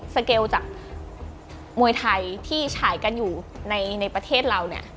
เกลจากมวยไทยที่ฉายกันอยู่ในประเทศเราเนี่ย